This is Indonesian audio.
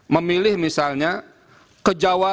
memilih misalnya ke jawa